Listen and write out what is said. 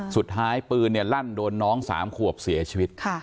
สุดท้ายปืนลั่นโดนน้อง๓ขวบเสียชีวิต